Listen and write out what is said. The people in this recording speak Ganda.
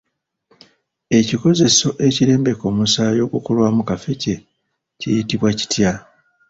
Ekikozeso ekirembeka omusaayi ogukolwamu kaffecce kiyitibwa kitya?